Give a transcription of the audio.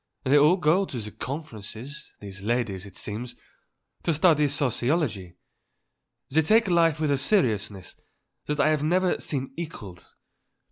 They all go to conférences, these ladies, it seems, and study sociology. They take life with a seriousness that I have never seen equalled.